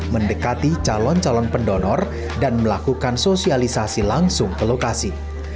mendekati calon calon pendonor dan melakukan sosialisasi langsung ke lokasi